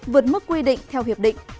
vượt mức quy định theo hiệp định